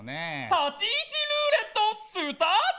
立ち位置ルーレットスタート。